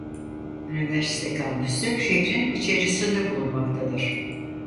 Üniversite kampüsü şehrin içerisinde bulunmaktadır.